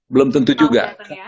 belum tentu juga